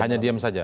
hanya diam saja